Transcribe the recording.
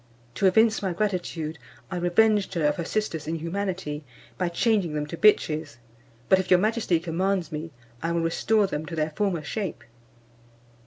To evince my gratitude, I revenged her of her sisters' inhumanity, by changing them to bitches; but if your majesty commands me, I will restore them to their former shape."